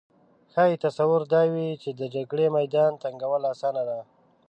ښايي تصور دا وي چې د جګړې میدان تنګول اسانه ده